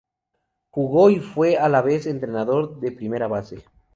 Jugó y fue a la vez entrenador de primera base.